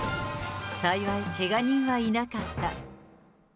幸いけが人はいなかった。